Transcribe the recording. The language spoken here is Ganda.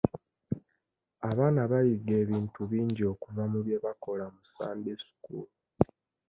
Abaana bayiga ebintu bingi okuva mu bye bakola mu Sunday school.